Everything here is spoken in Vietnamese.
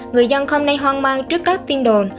người dân không nên hoang mang trước các tin đồn